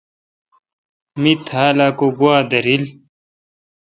می تھال اؘ کو گوا دیرل۔